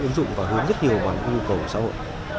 ứng dụng và hướng rất nhiều vào những nhu cầu của xã hội